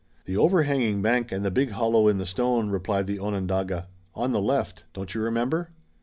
"The overhanging bank and the big hollow in the stone," replied the Onondaga. "On the left! Don't you remember?"